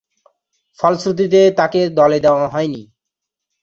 ফলশ্রুতিতে, তাকে দলে নেয়া হয়নি।